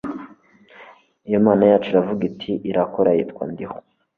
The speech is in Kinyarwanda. iyo mana yacu iravuga irakora yitwa ndiho